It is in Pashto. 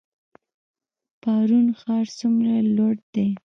پارون ښار څومره لوړ دی؟